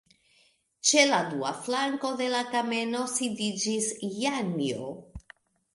Ĉe la dua flanko de la kameno sidiĝis Janjo.